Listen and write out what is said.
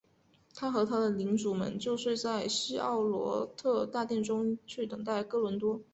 他和他的领主们就睡在希奥罗特大殿中去等待哥伦多。